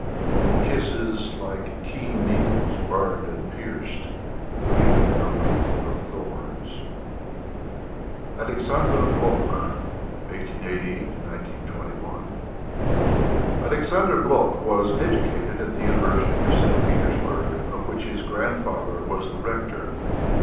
And kisses like keen needles Burned and pierced, Weaving a wreath of thorns. Alexander Blok (1880 1921) Alexander Blok was educated at the University of St Peters burg, of which his grandfather was the rector.